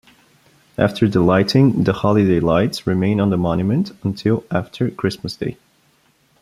After the lighting, the holiday lights remain on the monument until after Christmas Day.